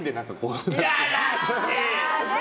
いやらしい！